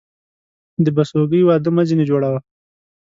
د بسوگى واده مه ځيني جوړوه.